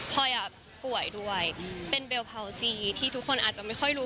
พอยป่วยด้วยเป็นเบลเผาซีที่ทุกคนอาจจะไม่ค่อยรู้